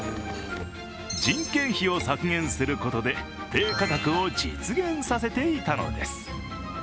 人件費を削減することで低価格を実現させていたのです。